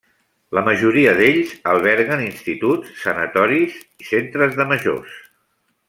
La majoria d'ells alberguen instituts, sanatoris, centres de majors.